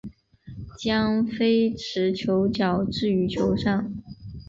将非持球脚置于球上。